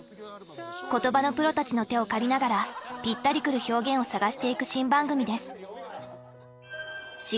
言葉のプロたちの手を借りながらぴったりくる表現を探していく新番組です